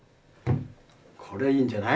これはいいんじゃない？